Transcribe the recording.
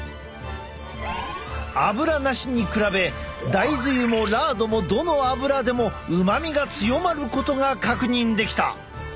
アブラなしに比べ大豆油もラードもどのアブラでも旨味が強まることが確認できた。